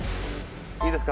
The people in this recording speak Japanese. いいですか？